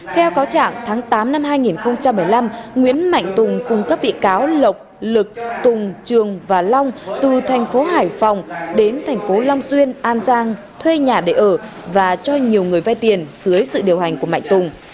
theo cáo trạng tháng tám năm hai nghìn một mươi năm nguyễn mạnh tùng cung cấp bị cáo lộc lực tùng trường và long từ tp hải phòng đến tp long xuyên an giang thuê nhà để ở và cho nhiều người vay tiền dưới sự điều hành của mạnh tùng